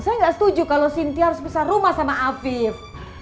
saya nggak setuju kalau sintia harus besar rumah sama afif